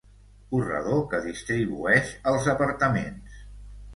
Corredor que distribueix als apartaments.